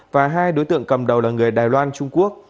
và hai đối tượng cầm đầu là người đài loan trung quốc